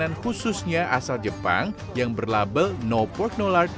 dan khususnya asal jepang yang berlabel no pork no lard